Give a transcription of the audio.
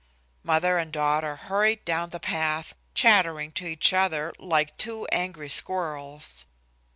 Mother and daughter hurried down the path, chattering to each other, like two angry squirrels.